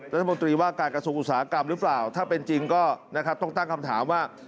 รัฐมนตรีว่าการกระทรวงอุตสาหกรรมหรือเปล่าถ้าเป็นจริงก็นะครับต้องตั้งคำถามว่า